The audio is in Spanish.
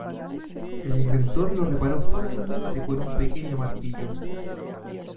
El inventor lo reparó fácilmente con un pequeño martillo.